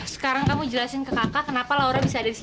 sekarang kamu jelasin ke kakak kenapa laura bisa ada di sini